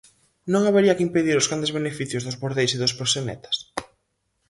Non habería que impedir os grandes beneficios dos bordeis e dos proxenetas?